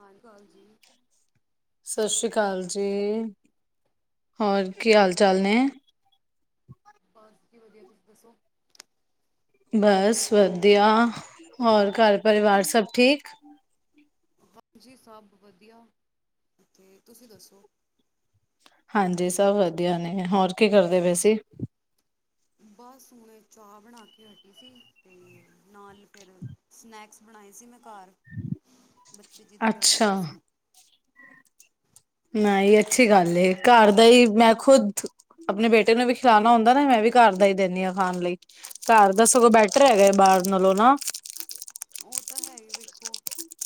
ਹਾਂਜੀ ਕਾਲ ਜੀ। ਸਤਿ ਸ਼੍ਰੀ ਅਕਾਲ ਜੀ। ਹੋਰ ਕੀ ਹਾਲ ਚਾਲ? ਬਸ ਜੀ ਵਧੀਆ, ਤੁਸੀਂ ਦੱਸੋ? ਬਸ ਵਧੀਆ, ਹੋਰ ਘਰ ਪਰਿਵਾਰ ਸਭ ਠੀਕ? ਹਾਂਜੀ ਸਭ ਵਧੀਆ, ਤੁਸੀਂ ਦੱਸੋ? ਹਾਂਜੀ ਸਭ ਵਧੀਆ ਨੇ, ਹੋਰ ਕੀ ਕਰਦੇ ਪਏ ਸੀ? ਬਸ ਹੁਣੇ ਚਾਹ ਬਣਾ ਕੇ ਹਟੀ ਸੀ ਤੇ ਨਾਲ ਫਿਰ ਸਨੈਕਸ ਬਣਾਏ ਸੀ ਮੈਂ ਘਰ, ਬੱਚੇ ਜ਼ਿੱਦ ਕਰਦੇ ਅੱਛਾ ਪਏ ਸੀ। ਨਹੀਂ ਅੱਛੀ ਗੱਲ ਐ ਘਰ ਦਾ ਹੀ ਮੈਂ ਖੁਦ ਆਪਣੇ ਬੇਟੇ ਨੂੰ ਵੀ ਖਿਲਾਣਾ ਹੁੰਦਾ ਨਾ ਮੈਂ ਵੀ ਘਰ ਦਾ ਹੀ ਦਿੰਨੀ ਆ ਖਾਣ ਲਈ। ਘਰ ਦਾ ਸਗੋ ਹਾਂਜੀ ਬੈਟਰ ਹੈਗਾ ਬਾਹਰ ਨਾਲੋਂ ਨਾ ਉਹ ਤਾਂ ਹੈ ਹੀ ਵੇਖੋ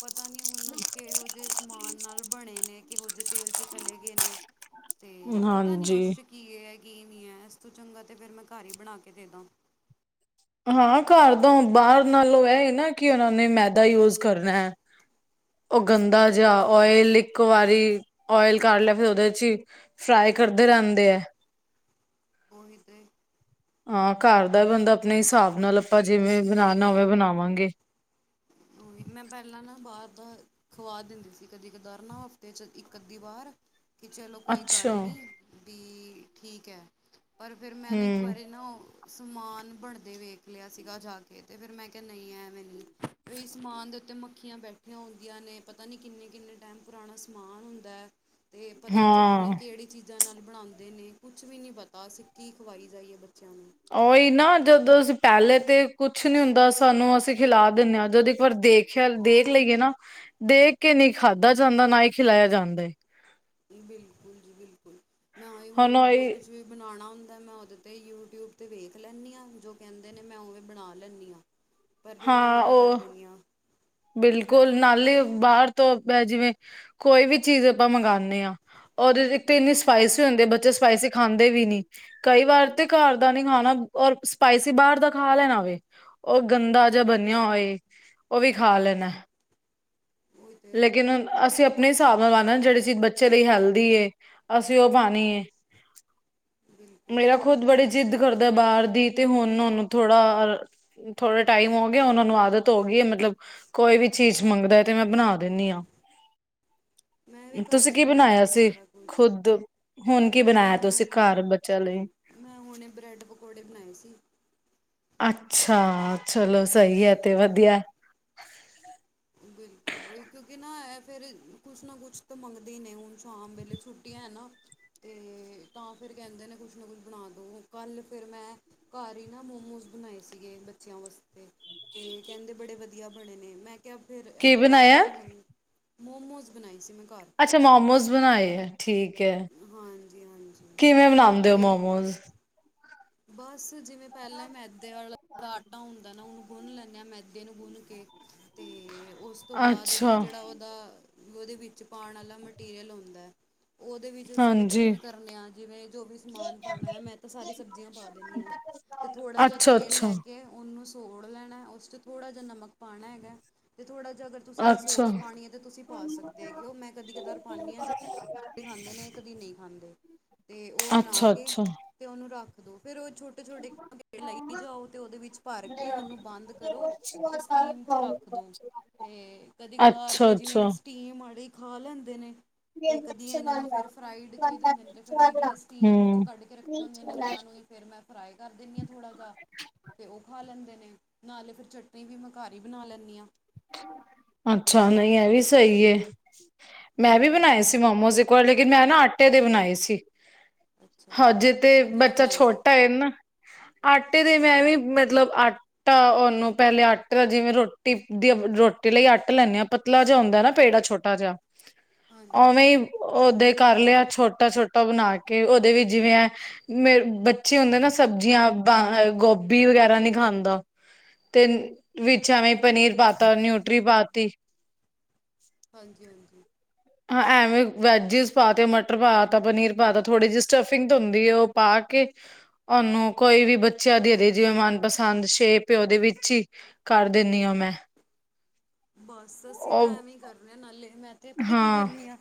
ਪਤਾ ਨੀ ਹੁਣ ਕਿਹੋ ਜਿਹੇ ਸਮਾਨ ਨਾਲ ਬਣੇ ਨੇ ਕਿਹੋ ਜਿਹੇ ਤੇਲ ਚ ਤਲੇ ਗਏ ਨੇ ਤੇ ਪਤਾ ਨੀ ਹਾਂਜੀ ਉਸ ਚ ਕੀ ਇਹ ਐ ਕੀ ਨੀ ਐ ਇਸ ਤੋਂ ਚੰਗਾ ਅਤੇ ਫਿਰ ਮੈਂ ਘਰ ਹੀ ਬਣਾ ਕੇ ਦੇਦਾਂ। ਹਾਂ ਘਰ ਤੋਂ ਬਾਹਰ ਨਾਲੋਂ ਇਹ ਨਾ ਕਿ ਉਹਨਾਂ ਨੇ ਮੈਦਾ ਯੂਜ ਕਰਨਾ ਐ। ਉਹ ਗੰਦਾ ਜਿਹਾ ਓਇਲ ਇੱਕ ਵਾਰੀ ਓਇਲ ਕਰ ਲਿਆ ਫਿਰ ਉਹਦੇ ਚ ਹੀ ਫਰਾਈ ਕਰਦੇ ਰਹਿੰਦੇ ਐ। ਉਹੀ ਤੇ ਹਾਂ ਘਰ ਦਾ ਬੰਦਾ ਆਪਣੇ ਹਿਸਾਬ ਨਾਲ ਆਪਾਂ ਜਿਵੇਂ ਬਣਾਣਾ ਹੋਵੇਂ ਬਣਾਵਾਂਗੇ। ਮੈਂ ਪਹਿਲਾਂ ਨਾ ਬਾਹਰ ਦਾ ਖਵਾ ਦਿੰਦੀ ਸੀ ਕਦੀ ਕਦਾਰ ਨਾ ਹਫ਼ਤੇ ਚ ਇੱਕ ਅੱਧੀ ਵਾਰ ਕਿ ਚਲੋ ਕੋਈ ਗੱਲ ਅੱਛਾ ਨੀ ਵੀ ਠੀਕ ਐ। ਪਰ ਫਿਰ ਮੈ ਨਾ ਇੱਕ ਹਮ ਵਾਰੀ ਨ ਸਮਾਨ ਬਣਦੇ ਵੇਖ ਲਿਆ ਸੀਗਾ ਜਾ ਕੇ ਅਤੇ ਫਿਰ ਮੈਂ ਕਿਹਾ ਨਹੀਂ ਐਂਵੇਂ ਨੀ ਈ ਸਮਾਨ ਦੇ ਉੱਤੇ ਮੱਖੀਆਂ ਬੈਠੀਆਂ ਹੁੰਦੀਆਂ ਨੇ ਪਤਾ ਨੀ ਕਿੰਨੇ-ਕਿੰਨੇ ਟਾਈਮ ਪੁਰਾਣਾ ਸਮਾਨ ਹੁੰਦਾ ਹੈ। ਤੇ ਪਤਾ ਨੀ ਚਝੱਟਣੀਆਂ ਹਾਂ ਕਿਹੜੀ ਚੀਜ਼ ਚੀਜ਼ਾਂ ਨਾਲ ਬਣਾਦੇ ਨੇ ਕੁਛ ਵੀ ਨੀ ਪਤਾ ਅਸੀ ਕੀ ਖਵਾਈ ਜਾਈਏ ਬੱਚਿਆਂ ਨੂੰ ਉਹੀ ਨਾ ਜਦੋਂ ਅਸੀਂ ਪਹਿਲੇ ਤੇ ਕੁਛ ਨੀ ਹੁੰਦਾ ਸਾਨੂੰ ਅਸੀਂ ਖਿਲਾ ਦਿੰਨੇ ਆ ਜਦੋਂ ਇੱਕ ਵਾਰ ਦੇਖ ਖਿਆਲ ਦੇਖ ਲਈਏ ਨਾ, ਦੇਖ ਕੇ ਨਹੀਂ ਖਾਧਾ ਜਾਂਦਾ ਨਾ ਹੀ ਖਿਲਾਇਆ ਜਾਂਦਾ ਏ। ਬਿਲਕੁਲ ਜੀ ਬਿਲਕੁਲ ਮੈਂ ਹੁਣ ਜੋ ਕੁਛ ਵੀ ਬਣਾਣਾ ਹੁੰਦਾ ਮੈਂ ਉਹਦੇ 'ਤੇ ਯੂਟਿਊਬ 'ਤੇ ਵੇਖ ਲੈਂਦੀ ਆ, ਜੋ ਕਹਿੰਦੇ ਨੇ ਮੈਂ ਉਵੇ ਬਣਾ ਲੈਂਦੀ ਆ। [inaudible] ਪਰ ਫਿਰ ਮੈਂ ਮਨਾ ਕਰ ਉਹ ਦਿੰਦੀ ਆ। ਬਿਲਕੁਲ, ਨਾਲੇ ਬਾਰ ਤੋ ਬੈ ਜਿਵੇਂ ਕੋਈ ਵੀ ਚੀਜ਼ ਆਪਾ ਮੰਗਾਨੇ ਆਂ। ਔਰ ਏਕ ਤੇ ਏਨੇ ਸਪਾਈਸੀ ਹੁੰਦੇ, ਬੱਚਾ ਸਪਾਈਸੀ ਖਾਂਦੇ ਵੀ ਨੀ। ਕਈ ਵਾਰ ਤੇ ਘਰ ਦਾ ਨੀ ਖਾਨਾ ਔਰ ਸਪਾਈਸੀ ਬਾਰ ਦਾ ਖਾ ਲੈਣਾ ਵੇ। ਓ ਗੰਦਾ ਜੇਹਾ ਬਨੇਯਾ ਹੋਏ। ਉਹ ਵੀ ਖਾ ਲੈਨਾ ਐ। ਉਹੀ ਤੇ ਲੇਕਿਨ ਅਸੀ ਅਪਨੇ ਹਿਸਾਬ ਨਾਲ ਲਾਨੈ, ਜੇੜੀ ਚੀਜ਼ ਬੱਚੇ ਲਈ ਹੈਲਦੀ ਏ। ਅਸੀ ਓ ਖਾਨੀ ਏ, ਬਿਲਕੁਲ ਮੇਰਾ ਤੇ ਜਿਹੜੀ ਚੀਜ਼ ਘਰ ਦੈ ਬਾਰ ਦੀ, ਤੇ ਹੁਨ ਓਨੂੰ ਥੋੜਾ ਅ ਥੋੜਾ ਟਾਈਮ ਹੋ ਗਯਾ, ਹੁਨ ਓਨੂੰ ਆਦਤ ਹੋ ਗੀ ਏ, ਮਤਲਬ ਕੋਈ ਵੀ ਚੀਜ਼ ਮੰਗਦਾ ਤੇ ਮੈਂ ਬਨਾ ਦੇਨੀ ਆਂ, ਮੈਂ ਵੀ ਘਰ ਤੁਸੀ ਹੀ ਕੀ ਬਣਾਉਂਦੀ ਬਨਾਯਾ ਹਾਂ ਸੀ ਸਾਰਾ ਕੁਝ ਖੁਦ? ਹੁਨ ਕੀ ਮੈਂ ਬਨਾਯਾ, ਤੁਸੀ ਹਾਲੇ ਘੱਰ ਬੱਚੇਯਾ ਲਈ? ਮੈਂ ਹੁਨੇ ਬਰੈੱਡ ਪਕੌੜੇ ਬਨਾਏ ਸੀ। ਅੱਛਾ, ਚਲੋ ਸਈ ਐ ਤੇ ਹਾਂਜੀ ਵਧੀਆ। ਬਿਲਕੁਲ, ਓਈ ਕਿਉਂਕਿ ਨਾ ਐ ਫੇਰ ਕੁਛ ਨਾ ਕੁਛ ਤਾ ਮੰਗਦੇ ਈ ਨੇ, ਹੁਨ ਸ਼ਾਮ ਵੇਲੇ। ਛੁਟੀਆਂ ਐ ਨਾ, ਤੇ ਤਾਂ ਫੇਰ ਕੈਂਦੇ ਨੇ ਕੁਛ ਨਾ ਕੁਛ ਬਣਾ ਦੋ, ਕੱਲ ਫੇਰ ਮੈਂ ਘੱਰ ਈ ਨਾ ਮੋਮੋਸ ਬਨਾਏ ਸੀਗੇ ਬੱਚੇਯਾ ਵਾਸਤੇ। ਤੇ ਕੈਂਦੇ ਬੜੇ ਵਦੀਆ ਬਣੇ ਨੇ, ਮੈਂ ਫੇਰ ਕੀ ਐਹੀ ਬਣਾਇਆ ਬਣਨਗੇ ਹੁਨ, ਮੋਮੋਸ ਬਨਾਏ ਸੀ, ਮੈਂ ਘੱਰ। ਅੱਛਾ, ਮੋਮੋਸ ਬਨਾਏ ਐ, ਠੀਕ ਐ, ਹਾਂਜੀ ਹਾਂਜੀ ਕਿਵੇਂ ਬਣਾਂਦੇ ਓ, ਮੋਮੋਸ? ਬਾੱਸ ਜਿਵੇਂ ਪੈਲੇ ਮੈਦੇ ਵਾਲਾ ਆਟਾ ਹੁੰਦੈ ਨਾ, ਓਨੂੰ ਗੁੰਨ ਲੈਨੇ ਆਂ ਮੈਦੇ ਨੂੰ ਗੁੰਨ ਕੇ। ਤੇ ਓਸ ਤੋ ਬਾਦ ਨਾ ਅੱਛਾ ਜੇੜਾ ਓਦਾ, ਓਦੇ ਵਿੱਚ ਪਾਣ ਆਲਾ ਮਟੀਰੀਅਲ ਹੁੰਦਾ ਏ, ਓਦੇ ਵਿੱਚ ਦੇ ਅਸੀ ਪਤਾ ਏ ਹਾਂਜੀ ਕਿਵੇਂ ਕਰਨੇ ਆ, ਜਿਵੇਂ ਜੋ ਵੀ ਸਮਾਨ ਪਾਣਾ ਏ, ਮੈਂ ਤਾਂ ਸਾਰੀ ਸਬ ਪਾ ਦੇਨੀ ਆਂ, ਤੇ ਥੋੜਾ ਜੇਹਾ ਅੱਛਾ ਤੇਲ ਅੱਛਾ ਲੈਕੇ ਓਨੂੰ ਸੋੜ ਲੈਣਾ ਏ, ਓਸ ਚ ਥੋੜਾ ਜੇਹਾ ਨਮਕ ਪਾਣਾ ਹੈਗਾ ਏ, ਤੇ ਥੋੜਾ ਜਾ ਗਰ ਤੁਸੀਂ ਅੱਛਾ ਸੋਸ ਪਾਣੀ ਏ ਤੇ ਤੁਸੀ ਪਾ ਸਕਦੇ ਹੈਗੇ ਓ, ਮੈਂ ਕਦੀ ਕਧਾਰ ਪਾੱਨੀ ਆਂ ਕਦੀ ਖਾਂਦੇ ਨੇ, ਕਦੀ ਨੀ ਖਾਂਦੇ, ਤੇ ਓ ਬਨਾ ਅੱਛਾ ਕੇ, ਅੱਛਾ ਤੇ ਓਨੂੰ ਰੱਖ ਦੋ ਫੇਰ ਓ ਛੋਟ ਛੋਟੇ-ਛੋਟੇ ਪੇੜੇ ਲਈ ਜਾਓ ਤੇ ਓਦੇ ਵਿੱਚ ਭਰ ਕੇ ਓਨੂੰ ਬੰਦ ਕਰੋ। ਤੇ ਸਟੀਮ ਚ ਰੱਖ ਦੋ, ਤੇ ਕਦੀ ਕਦਾਰ ਅੱਛਾ ਤੇ ਅੱਛਾ ਜਿਵੇਂ ਸਟੀਮ ਮਾੜੀ ਖੋ ਲੈਂਦੇ ਨੇ। ਤੇ ਕਦੀ ਐਨਾਂ ਨੂੰ ਫੇਰ ਫਰਾਈਡ ਚਾਹੀਦੇ ਹੁੰਦੇ ਨੇ, ਤੇ ਫੇਰ ਓਈ ਜੇੜੇ ਸਟੀਮ ਚੋ ਹਮ ਕੱਢ ਕੇ ਰੱਖੇ ਹੁੰਦੇ ਨੇ, ਓਨਾਂ ਨੂੰ ਈ ਫੇਰ ਮੈਂ ਫਰਾਈ ਕਰ ਦੇਨੀ ਆਂ ਥੋੜਾ ਜਾ। ਤੇ ਓ ਖਾ ਲੈਂਦੇ ਨੇ, ਨਾਲੇ ਫੇਰ ਚਟਨੀ ਵੀ ਮੈਂ ਘਾੱਰ ਈ ਬਨਾ ਲੈਨੀ ਆਂ। ਅੱਛਾ, ਨਈ ਐਵੀ ਸਈ ਏ, ਮੈਂ ਵੀ ਬਨਾਏ ਸੀ ਮੋਮੋਸ। ਪਰ ਲੇਕਿਨ ਮੈਂ ਨਾ ਆਟੇ ਦੇ ਬਨਾਏ ਸੀ। ਅੱਛਾ ਅੱਛਾ ਹਜੇ ਤੇ ਉਹ ਕਿਵੇਂ ਬੱਚਾ ਬਣਾਏ ਸੀ ਛੋਟਾ ਏ ਨਾ। ਆਟੇ ਦੇ ਮੈਂ ਵੀ ਮਤਲਬ ਆਟਾ ਓਨੂੰ ਪੈਲੇ ਆਟੇ ਜਿਵੇਂ ਰੋਟੀ ਦੀ ਰੋਟੀ ਲਈ ਆੱਟਾ ਲੈਨੇ ਆ ਪਤਲਾ ਜਾ ਹੁੰਦੈ ਨਾ ਪੇੜਾ ਛੋਟਾ ਜੇਆ, ਹਾਂਜੀ ਹਾਂਜੀ ਓਵੇਂਈ ਓਦੇ ਕਰ ਲੇਯਾ ਛੋਟਾ- ਛੋਟਾ ਬਨਾ ਕੇ ਓਦੇ ਵੀ ਜਿਵੇਂ ਐ ਬੱਚੇ ਹੁੰਦੇ ਨਾ ਸਬਜ਼ੀਆਂ ਤਾਂ ਕਰਕੇ ਗੋਭੀ ਵਗੈਰਾ ਨੀ ਖਾਂਦਾ, ਤੇ ਵਿੱਚ ਐਵੇਂ ਪਨੀਰ ਪਾਤਾ, ਨਿਊਟਰੀ ਪਾਤੀ ਹਾਂਜੀ-ਹਾਂਜੀ। ਹਾਂ, ਐਵੇਂ ਵੈਜਿਸ ਪਾ ਤੇ, ਮਟਰ ਪਾ ਤਾ, ਪਨੀਰ ਪਾ ਤਾ, ਥੋੜੀ ਜੀ ਸਟਫਿੰਗ ਤੇ ਹੁੰਦੀ ਏ, ਓ ਪਾ ਕੇ। ਓਨੂੰ ਕੋਈ ਵੀ ਬੱਚੇਯਾ ਦੇ ਦੇ ਏ ਜਿਵੇਂ ਮਨਪਸੰਦ ਸ਼ੇਪ। ਤੇ ਓਦੇ ਵਿੱਚ ਈ ਕਰ ਦੇਨੀ ਆਂ ਮੈਂ ਬਸ ਅਸੀ ਤਾਂ ਉਹ ਐਵੇਂ ਹੀ ਕਰ ਰੇ ਆਂ, ਨਾਲੇ ਮੈਂ ਤੇ ਪਤ ਕੀ ਹਾਂ ਕਰਨੀ ਆ,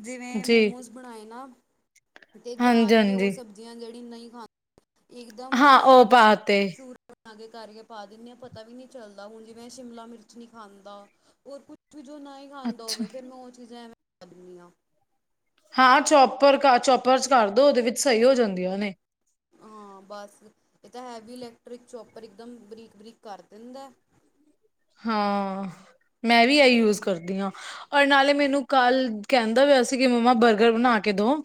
ਜਿਵੇਂ ਜੀ ਮੋਮੋਜ਼। ਬਣਾਏ ਨਾ, ਤੇ ਹਾਂਜੀ ਜਾਨ ਕੇ ਉਹ ਹਾਂਜੀ ਸਬਜ਼ੀਆਂ ਜਿੜੀ ਨਈ ਖਾਂ ਇਕਦਮ ਹਾਂ ਨਾ ਓਨਾਂ ਉਹ ਪਾ ਦਾ ਤੇ ਚੂੂਰ ਬਨਾਕੇ ਘਰ ਈ, ਪਾ ਦੇਨੀ ਆਂ ਪਤਾ ਵੀ ਨੀ ਚੱਲਦਾ, ਹੁਨ ਜਿਵੇਂ ਸ਼ਿਮਲਾ ਮਿਰਚ ਖਾਂਦਾ ਹੋਰ ਕੁਛ ਵੀ ਜੋ ਨਾਹੀ ਖਾਂਦਾ ਅੱਛਾ ਹੋਵੇ ਫਿਰ ਮੈਂ ਉਹ ਚੀਜ਼ਾਂ ਮੈ ਐਵੇਂ ਲੱਦੀ ਹਾਂ। ਹਾਂ ਚੋਪਰ, ਚੋਪਰ ਚ ਕਰਦੋ ਉਹਦੇ ਵਿੱਚ ਸਹੀ ਹੋ ਜਾਂਦੀਆਂ ਨੇ। ਹਾਂ, ਬਸ ਇਹ ਤਾਂ ਹੈਵੀ ਇਲੈਕਟ੍ਰਿਕ ਚੋਪਰ ਇਕਦਮ ਬਰੀਕ -ਬਰੀਕ ਕਰ ਦਿੰਦਾ। ਹਾਂ, ਮੈਂ ਵੀ ਇਹੀ ਯੂਜ ਕਰਦੀ ਹਾਂ, ਔਰ ਨਾਲੇ ਮੈਨੂੰ ਕੱਲ ਕਹਿੰਦਾ ਵ? ਸੀ ਕਿ ਮੰਮਾ ਬਰਗਰ ਬਣਾ ਕੇ ਦੋ,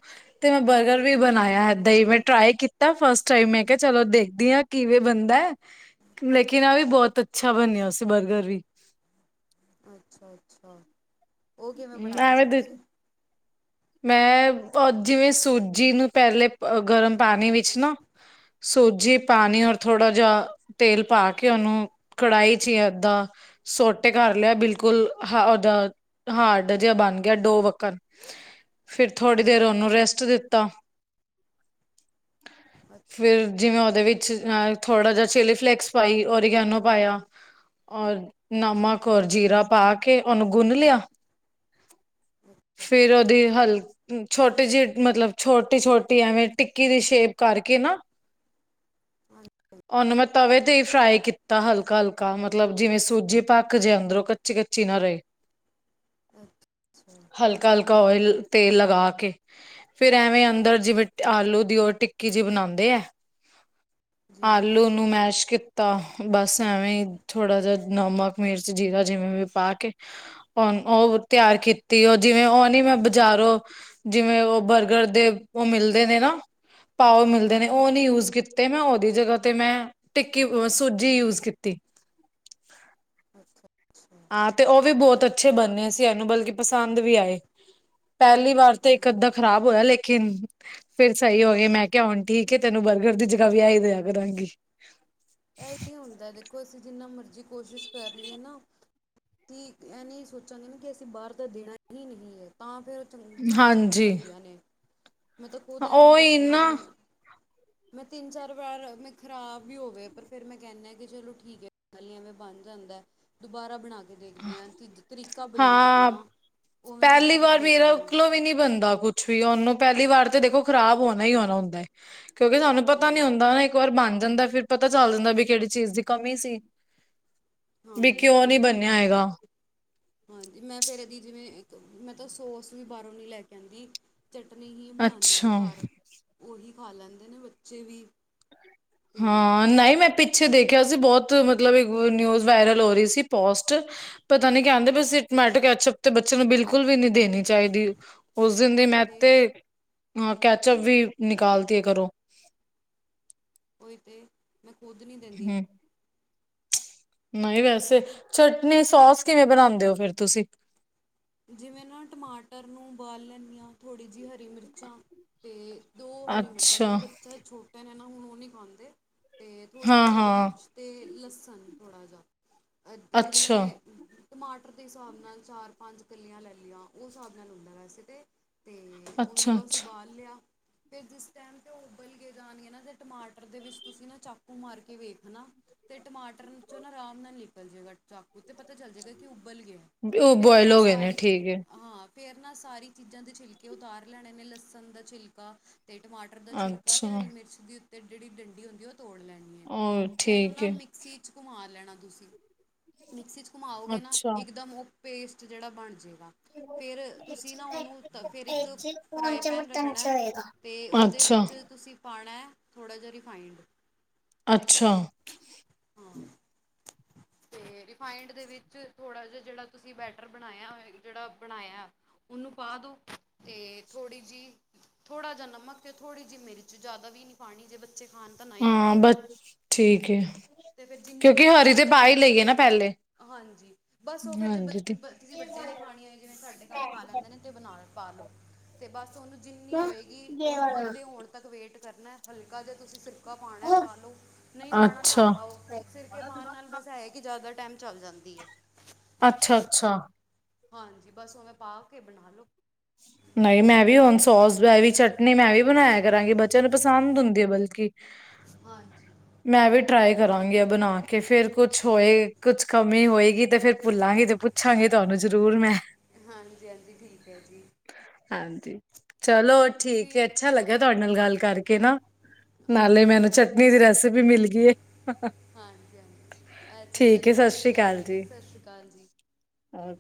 ਤੇ ਮੈਂ ਬਰਗਰ ਵੀ ਬਣਾਇਆ, ਏਦਾਂ ਜੀ ਹੀ ਮੈਂ ਜੀ ਟ੍ਰਈ ਕੀਤੀ। ਤਾਂ ਫਸਟ ਟਾਈਮ ਮੈਂ ਕਿਹਾ, ਚਲੋ ਦੇਖਦੀ ਹਾਂ ਕਿਵੇਂ ਬੰਨਦਾ। ਲੇਕਿਨ, ਆਹ ਵੀ ਬਹੁਤ ਅੱਛਾ ਬਣਿਆ ਸੀ, ਬਰਗਰ ਵੀ। ਅੱਛਾ -ਅੱਛਾ ਉਹ ਕਿਵੇਂ ਬਣਾਇਆ ਸੀ ਐਵੇਂ ਤੁਸੀਂ? ਮੈਂ ਅ, ਜਿਵੇਂ ਸੂਜੀ ਨੂੰ ਪਹਿਲੇ ਗਰਮ ਪਾਣੀ ਵਿੱਚ ਨਾ ਸੂਜੀ ਪਾਣੀ ਔਰ ਥੋੜਾ ਜਿਹਾ ਤੇਲ ਪਾ ਕੇ, ਉਹਨੂੰ ਕੜਾਹੀ ਚ ਹੀ ਏਦਾਂ ਸੋਟੇ ਕਰ ਲਿਆ ਬਿਲਕੁਲ, ਹ ਉਹਓਦਾ ਹਾਰਡ ਜਿਹਾ ਬਣ ਗਿਆ ਡੋ ਵੱਗਣ ਫਿਰ, ਥੋੜ੍ਹੀ ਦੇਰ ਹਾਂਜੀ ਉਹਨੂੰ ਰੈਸਟ ਦਿੱਤਾ। ਅੱਛਾ। ਫਿਰ ਜਿਵੇਂ ਉਹਦੇ ਵਿੱਚ ਥੋੜਾ ਜਿਹਾ ਚਿਲੀ ਫਲੇਕਸ ਪਾਈ, ਉਰੀਗੈਨੋ ਪਾਇਆ। ਔਰ ਨਮਕ, ਔਰ ਜੀਰਾ, ਪਾ ਕੇ ਉਹਨੂੰ ਗੁੰਨ ਲਿਆ। ਹਮ। ਫਿਰ ਉਹਦੀ ਹਲ ਛੋਟੀ ਜਿਹੀ ਮਤਲਬ ਛੋਟੀ- ਛੋਟੀ ਐਵੇਂ ਟਿੱਕੀ ਦੀ ਸ਼ੇਪ ਕਰਕੇ ਨਾ ਹਾਂਜੀ [unintelligible] ਉਹਨੂੰ ਮੈਂ ਤਵੇ ਤੇ ਹੀ ਫਰਾਈ ਕੀਤਾ ਹਲਕਾ -ਹਲਕਾ ਮਤਲਬ ਜਿਵੇਂ ਸੂਜੀ ਪੱਕ ਜੇ ਅੰਦਰੋਂ ਕੱਚੀ -ਕੱਚੀ ਨਾ ਰਹੇ ਅੱਛਾ ਹਲਕਾ -ਹਲਕਾ ਗ ਓਇਲ ਤੇਲ ਲਗਾ ਕੇ। ਫੇਰ ਐਵੇਂ ਅੰਦਰ ਜਿਵੇਂ, ਆਲੂ ਦੀ ਉਹ ਟਿੱਕੀ ਜਿਹੀ ਬਣਾਉਂਦੇ ਆ। ਜੀ ਜੀ ਆਲੂ ਨੂੰ ਮੈਸ਼ ਕੀ ਤਾ ਬਸ ਐਵੇਂ ਹੀ ਥੋੜ੍ਹਾ ਜਿਹਾ ਨਮਕ, ਮਿਰਚ, ਜੀਰਾ ਜਿਵੇਂ ਵੀ ਪਾ ਕੇ ਹੁਣ ਉਹ ਤਿਆਰ ਕੀਤੀ ਉਹ, ਜਿਵੇਂ ਉਹ ਨੀ ਮੈਂ ਬਜ਼ਾਰੋਂ ਜਿਵੇਂ, ਉਹ ਬਰਗਰ ਦੇ ਉਹ ਮਿਲਦੇ ਨੇ ਨਾ ਪਾਓ ਮਿਲਦੇ ਨੇ, ਉਹ ਨਹੀਂ ਯੂਜ ਕੀਤਾ। ਤੇ ਮੈਂ ਉਹਦੀ ਜਗਾ ਤੇ ਟਿਕੀ ਸੂਜੀ ਯੂਜ ਕੀਤੀ। ਅੱਛਾ ਹਾਂ ਤੇ ਉਹ ਵੀ ਬਹੁਤ ਅੱਛੇ ਬਣਨੇ ਸੀਂ, ਇਹਨੂੰ ਬਲਕਿ ਪਸੰਦ ਵੀ ਆਏ। ਪਹਿਲੀ ਵਾਰ ਤੇ ਇੱਕ ਅੱਧਾ ਖ਼ਰਾਬ ਹੋਇਆ, ਲੇਕਿਨ ਫੇਰ ਸਹੀ ਹੋ ਗਏ ਮੈਂ ਕਿਹਾ ਹੁਣ ਠੀਕ ਹੈ ਤੈਨੂੰ ਬਰਗਰ ਦੀ ਜਗ੍ਹਾ ਵੀ ਆਹੀ ਦਿਆ ਕਰਾਂਗੀ। ਇਹੀ ਹੁੰਦਾ ਦੇਖੋ ਅਸੀਂ ਜਿੰਨਾ ਮਰਜ਼ੀ ਕੋਸ਼ਿਸ਼ ਕਰ ਲਈਏ ਨਾ ਠੀਕ। ਇਹ ਨਹੀਂ ਸੋਚਾਂਗੇ ਨਾ ਕਿ ਅਸੀਂ ਬਾਹਰ ਤਾਂ ਦੇਣਾ ਹੀ ਨਹੀਂ ਹੈ ਤਾਂ ਫਿਰ ਚੰਗ ਚੀਜ਼ਾਂ ਚੰਗੀ ਹਾਂਜੀ ਬਣਦੀਆਂ ਨੇ, ਮੈਂ ਤਾਂ ਖੁਦ ਐਵੇਂ ਉਹੀ ਕਰਦੀ ਹਾਂ ਨਾ ਹੁਣ। ਮੈਂ ਤਿੰਨ ਚਾਰ ਵਾਰ ਮੈਂ ਖ਼ਰਾਬ ਹੀ ਹੋਵੇ। ਪਰ ਫੇਰ ਮੈਂ ਕਹਿਨੀ ਆ ਕਿ ਚਲੋ ਠੀਕ ਹੈ, ਐਵੇਂ ਬਣ ਜਾਂਦਾ ਦੁਬਾਰਾ ਬਣਾ ਕੇ ਦੇਖ ਦੀਆਂ ਤਰੀਕਾ ਹਾਂ ਬਦਲਦੀਆਂ। ਪਹਿਲੀ ਵਾਰ ਮੇਰਾ ਉਕਲੋਂ ਵੀ ਨੀ ਬਣਦਾ ਕੁਛ। ਕ੍ਹ ਛ ਵੀ ਉਹਨੂੰ, ਪਹਿਲੀ ਵਾਰ ਤੇ ਦੇਖੋ, ਖਰਾਬ ਹੋਣਾ ਹੀ ਹੋਣਾ, ਹੁੰਦਾਏ। ਕਿਉਂਕਿ, ਤੁਹਾਨੂੰ ਪਤਾ ਨੀ ਹੂੰ ਹੁੰਦਾ ਨਾ, ਇੱਕ ਵਾਰ ਬਣ ਜਾਂਦਾ ਫਿਰ ਪਤਾ ਚੱਲ ਜਾਂਦਾ, ਬਈ ਕਿਹੜੀ ਚੀਜ਼ ਦੀ ਕਮੀ ਸੀ। ਬਈ ਹਾਂਜੀ ਕਿਉਂ ਨਹੀਂ ਬਿਲਕੁਲ ਬਣਿਆ ਹੈਗਾ। ਹਾਂਜੀ, ਮੈਂ ਫਿਰ ਇਹਦੀ ਜਿਵੇਂ, ਇੱਕ ਮੈਂ ਤਾਂ, ਸੋਸ ਵੀ ਬਾਹਰੋਂ ਨਹੀਂ ਲੈ ਕੇ ਆਉਂਦੀ। ਚਟਨੀ ਹੀ ਬਣਾਉਦੀ ਹਾਂ ਅੱਛਾ ਘਰ, ਉਹੀ ਖਾ ਲੈਂਦੇ ਨੇ, ਬੱਚੇ ਵੀ। ਅਤੇ ਹਾਂ ਨਹੀਂ, ਮੈਂ ਪਿੱਛੇ ਦੇਖਿਆ ਸੀ, ਬਹੁਤ ਮਤਲਬ ਨਿਊਜ਼ ਵਾਇਰਲ ਹੋ ਰਹੀ ਸੀ ਪੋਸਟ। ਪਤਾ ਨੀ ਕਹਿੰਦੇ ਪਏ ਸੀ, ਟਮੈਟੋ ਕੈਚਪ ਤੇ, ਬੱਚੇ ਨੂੰ ਬਿਲਕੁਲ ਵੀ ਨੀ ਦੇਣੀ ਚਾਹੀਦੀ, ਉਸ ਦਿਨ ਦੀ ਮੈਂ ਤੇ, ਅ ਕੈਚਅਪ ਵੀ ਨਿਕਾਲਤੀ ਹੈ ਘਰੋਂ। ਉਹੀ ਤੇ, ਮੈਂ ਖੁਦ ਨਹੀਂ ਦਿੰਦੀ। ਹਮ ਨਹੀਂ ਵੈਸੇ, ਚਟਨੀ ਸੋਸ ਕਿਵੇਂ ਬਣਾਉਂਦੇ ਹੋ ਫਿਰ ਤੁਸੀਂ? ਜਿਵੇਂ ਨਾ, ਟਮਾਟਰ ਨੂੰ ਉਬਾਲ ਲੈਂਦੀ ਹਾਂ, ਥੋੜ੍ਹੀ ਜਿਹੀ ਹਰੀ ਮਿਰਚਾਂ ਤੇ ਦੋ ਹਰੀ ਮਿਰਚਾਂ, ਅੱਛਾ ਜਿਵੇਂ ਬੱਚਾ ਛੋਟੇ ਨੇ ਨਾ, ਹੁਣ ਉਹ ਨਹੀਂ ਖਾਂਦੇ। ਤੇ ਥੋੜ੍ਹੀ ਹਾਂ ਜਿਹੀ, ਹਰੀ ਹਾਂ ਮਿਰਚ ਤੇ ਲਸਣ, ਥੋੜ੍ਹਾ ਜਿਹਾ ਅੱਛਾ ਜਿਵੇਂ ਟਮਾਟਰ ਦੇ ਹਿਸਾਬ ਨਾਲ, ਚਾਰ ਪੰਜ ਕਲੀਆਂ ਲੈ ਲਈਆਂ, ਉਸ ਹਿਸਾਬ ਨਾਲ ਹੁੰਦਾ ਵੈਸੇ ਤੇ ਤੇ ਉਹਨੂੰ ਅੱਛਾ ਬਸ ਅੱਛਾ ਉਬਾਲ ਲਿਆ। ਫੇਰ ਜਿਸ ਟਾਈਮ ਤੇ, ਉਬਲ ਕੇ ਜਾਣਗੇ ਨਾ, ਤੇ ਟਮਾਟਰ ਦੇ ਵਿੱਚ, ਤੁਸੀਂ ਨਾ ਚਾਕੂ ਮਾਰ ਕੇ ਵੇਖਣਾ ਤੇ ਟਮਾਟਰ ਚੋਂ ਨਾ, ਆਰਾਮ ਨਾਲ ਨਿਕਲ ਜਾਏਗਾ ਚਾਕੂ, ਤੇ ਪਤਾ ਚੱਲ ਜਾਏਗਾ ਕਿ ਉਬਲ ਗਿਆ ਉਹ ਫੇਰ ਬੋਆਇਲ ਨਾ ਹੋ ਗਏ ਨੇ ਸਾਰੀ ਠੀਕ ਹੈ ਹਾਂ। ਫੇਰ ਨਾ, ਸਾਰੀ ਚੀਜ਼ਾਂ ਦੇ ਛਿਲਕੇ ਉਤਾਰ ਲੈਣੇ ਨੇ, ਲਸਣ ਦਾ ਛਿਲਕਾ ਤੇ ਟਮਾਟਰ ਦਾ ਛਿਲਕਾ, ਅੱਛਾ ਤੇ ਹਰੀ ਮਿਰਚ ਦੀ ਉੱਤੇ ਜਿਹੜੀ ਡੰਡੀ ਹੁੰਦੀ ਹੈ, ਉਹ ਤੋੜ ਲੈਣੀ। ਉਹ ਤੇ ਇਹਨੂੰ ਠੀਕ ਨਾ ਹੈ ਮ ਮਿਕਸੀ ਚ ਘੁੰਮਾ ਲੈਣਾ ਤੁਸੀਂ, ਮਿਕਸੀ ਚ ਘੁੰਮਾਓਗੇ ਨਾ ਅੱਛਾ ਇਕਦਮ ਉਹ ਪੇਸਟ, ਜਿਹੜਾ ਬਣ ਜੇਗਾ। ਫੇਰ ਤੁਸੀਂ ਨਾ, ਉਹਨੂੰ ਤ, ਫਿਰ ਇੱਕ ਫਰਾਈ ਪੈਨ ਰੱਖਣਾ। ਤੇ ਉਹਦੇ ਅੱਛਾ ਵਿੱਚ, ਤੁਸੀਂ ਪਾਉਣਾ, ਥੋੜ੍ਹਾ ਜਿਹਾ ਰਿਫਾਈੰਡ। ਅੱਛਾ। ਹਾਂ। ਤੇ ਰਿਫਾਇੰਡ ਦੇ ਵਿੱਚ, ਥੋੜਾ ਜੇਹਾ, ਜਿਹੜਾ ਤੁਸੀਂ ਬੈਟਰ ਬਣਾਇਆ, ਜਿਹੜਾ ਬਣਾਇਆ ਉਹਨੂੰ ਪਾ ਦੋ, ਤੇ ਥੋੜ੍ਹੀ ਜੀ ਥੋੜਾ ਜਾ ਨਮਕ, ਤੇ ਥੋੜ੍ਹੀ ਜਿ ਮਿਰਚ, ਜ਼ਿਆਦਾ ਵੀ ਨੀ ਪਾਉਣੀ, ਜੇ ਬੱਚੇ ਖਾਣ ਤਾਂ ਨਾ ਹੀ ਹਾਂ, ਪਾਓ ਬ ਠੀਕ ਹੈ। ਤੇ ਫੇਰ ਜਿੰਨੀ ਕਿਉਂਕਿ ਮਿਰਚ, ਹਰੀ ਤੇ ਪਾ ਹੀ ਜਿੰਨੀ ਲਈਏ ਨਾ ਪਹਿਲੇ ਹਾਂਜੀ, ਬਸ ਉਹ ਫੇਰ, ਜੇ ਹਾਂਜੀ ਤੇ ਤੁਸੀਂ ਵੱਡੇ ਨੇ ਖਾਣੇ ਹੋ, ਜਿਵੇਂ ਸਾਡੇ ਘਰ ਖਾ ਲੈਂਦੇ ਨੇ ਤੇ ਬਣਾ ਪਾ ਲੋ, ਤੇ ਬਸ ਉਹਨੂੰ ਜਿੰਨੀ ਹੋਏਗੀ, ਉਹਨੂੰ ਅੱਧੇ ਹੋਣ ਤੱਕ ਵੇਟ ਕਰਨਾ, ਹਲਕਾ ਜਿਹਾ, ਤੁਸੀਂ ਸਿਰਕਾ ਪਾਉਣਾ, ਪਾ ਲਉ, ਨਹੀਂ ਪਾਉਣਾ ਨਾ ਅੱਛਾ ਪਾਓ, ਸਿਰਕੇ ਪਾਉਣ ਨਾਲ, ਬਸ ਇਹ ਹੈ ਕਿ, ਜ਼ਿਆਦਾ ਟਾਈਮ ਚੱਲ ਜਾਂਦੀ ਹੈ। ਅੱਛਾ-ਅੱਛਾ। ਹਾਂਜੀ, ਬਸ ਉਵੇਂ ਪਾ ਕੇ ਬਣਾ ਲਓ। ਨਹੀਂ, ਮੈਂ ਵੀ, ਹੁਣ ਸੋਸ ਵੀ ਚਟਨੀ, ਮੈਂ ਵੀ ਬਣਾਇਆ ਕਰਾਂਗੀ, ਬੱਚਿਆਂ ਨੂੰ ਪਸੰਦ ਹੁੰਦੀ ਹੈ, ਬਲਕਿ ਹਾਂਜੀ। ਮੈਂ ਵੀ ਟਰਾਈ ਕਰਾਂਗੀ, ਆ ਬਣਾ ਕੇ, ਫੇਰ ਕੁਛ ਹੋਏ, ਕੁਛ ਕਮੀ ਹੋਏਗੀ, ਤੇ ਫੇਰ ਭੁੱਲਾਂਗੀ ਤੇ ਪੁੱਛਾਂਗੀ, ਤੁਹਾਨੂੰ ਜ਼ਰੂਰ ਮੈਂ। ਹਾਂਜੀ- ਹਾਂਜੀ, ਠੀਕ ਹੈ ਜੀ। ਹਾਂਜੀ, ਚਲੋ ਤੁਸੀਂ ਠੀਕ ਹੈ, ਅੱਛਾ, ਲੱਗਿਆ ਤੁਹਾਡੇ ਨਾਲ ਗੱਲ ਕਰਕੇ ਨਾ ਨਾਲੇ, ਹਾਂਜੀ ਮੈਨੂੰ ਹਾਂਜੀ ਚਟਨੀ ਦੀ ਰੈਸਪੀ ਮਿਲ ਗਈ ਹੈ। ਹਾਂਜੀ ਹਾਂਜੀ ਅੱਛਾ ਚਲੋ ਸਤਿ ਸ੍ਰੀ ਠੀਕ ਐ ਜੀ ਸਤਿ ਸ਼੍ਰੀ ਅਕਾਲ ਜੀ ਔਰ